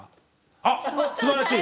あっすばらしい。